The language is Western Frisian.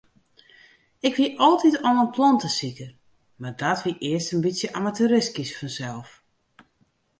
Ik wie altyd al in plantesiker, mar dat wie earst in bytsje amateuristysk fansels.